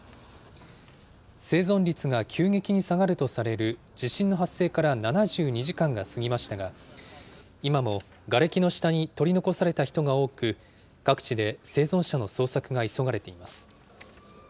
生存率が急激に下がるとされる地震の発生から７２時間が過ぎましたが、今もがれきの下に取り残された人が多く、各地で生存者の捜索が急がれています。